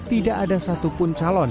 tidak ada satupun calon